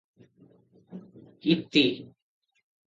ଇତି ।